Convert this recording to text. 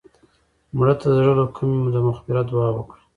مړه ته د زړه له کومې د مغفرت دعا وکړه